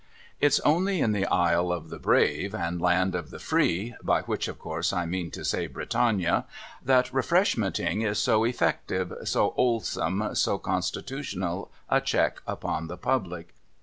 It's only in the Isle of the Brave and Land of the Free (by which, of course, I mean to say Britannia) that Refreshmenting is so effective, so 'olesome, so constitutional a check upon the public.